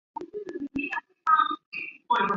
电影名字取自马来西亚闻名美食椰浆饭的谐音。